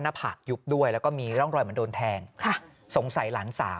ผากยุบด้วยแล้วก็มีร่องรอยเหมือนโดนแทงสงสัยหลานสาว